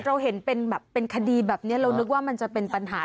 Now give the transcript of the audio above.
เราเห็นเป็นแบบเป็นคดีแบบนี้เรานึกว่ามันจะเป็นปัญหา